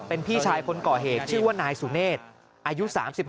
เป็นพี่ชายคนก่อเหตุชื่อว่านายสุเนธอายุ๓๖